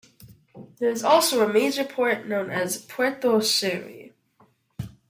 There is also a major port, known as Puerto Sherry.